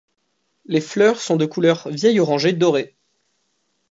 Les fleurs sont de couleur vieil orangé doré.